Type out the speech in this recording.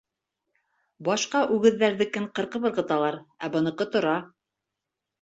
Башҡа үгеҙҙәрҙекең ҡырҡып ырғыталар, ә быныҡы тора.